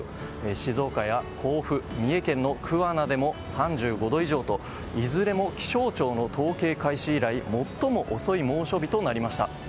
静岡や甲府、三重県の桑名でも３５度以上といずれも気象庁の統計開始以来最も遅い猛暑日となりました。